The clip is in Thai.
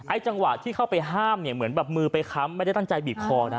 จังหวะที่เข้าไปห้ามเนี่ยเหมือนแบบมือไปค้ำไม่ได้ตั้งใจบีบคอนะ